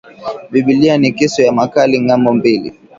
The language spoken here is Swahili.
Bibilia ni kisu kya makali ngambo mbili